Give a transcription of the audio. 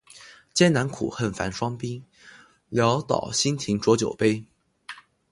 艰难苦恨繁霜鬓，潦倒新停浊酒杯